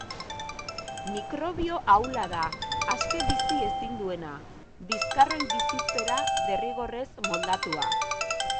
Mikrobio ahula da, aske bizi ezin duena, bizkarroi-bizitzera derrigorrez moldatua.